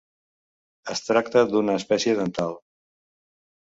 Es tracta d'una espècie dental.